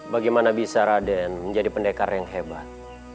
bagaimana bisa raden menjadi pendekar yang hebat